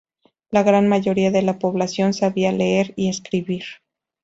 La gran mayoría de la población sabía leer y escribir.